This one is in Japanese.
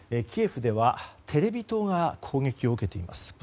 キエフではテレビ塔が攻撃を受けています。